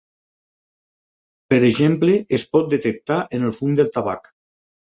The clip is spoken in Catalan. Per exemple es pot detectar en el fum del tabac.